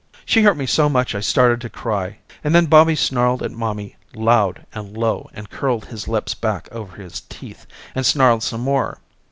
She hurt me so much I started to cry and then Bobby snarled at mommy loud and low and curled his lips back over his teeth and snarled some more.